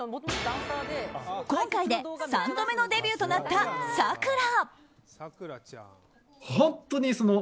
今回で３度目のデビューとなったサクラ。